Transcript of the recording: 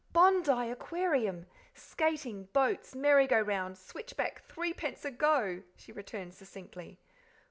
"Bondi Aquarium skating, boats, merry go round, switchback threepence a go!" she returned succinctly.